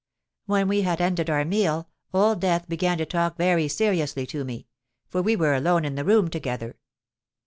When we had ended our meal, Old Death began to talk very seriously to me—for we were alone in the room together.